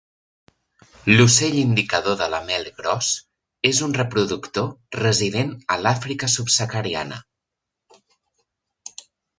L'ocell indicador de la mel gros és un reproductor resident a l'Àfrica subsahariana.